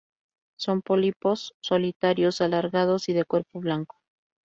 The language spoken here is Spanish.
Son pólipos solitarios, alargados y de cuerpo blando.